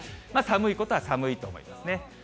寒いことは寒いと思いますね。